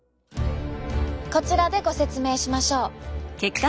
こちらでご説明しましょう。